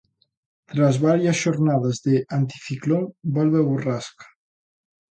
Tras varias xornadas de anticiclón, volve a borrasca.